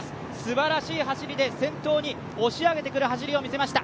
すばらしい走りで先頭に押し上げてくる走りを見せました。